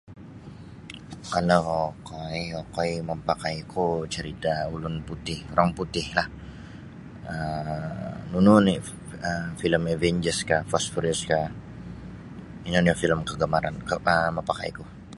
Kalau okoi okoi mapakai ku cerita ulun putih orang putih lah um nunu oni um filem Avengers kah Fast Furious kah ino nio filem kagamaran um mapakai ku.